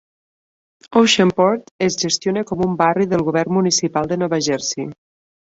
Oceanport es gestiona com un barri del govern municipal de Nova Jersey.